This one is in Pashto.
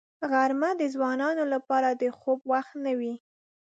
غرمه د ځوانانو لپاره د خوب وخت نه وي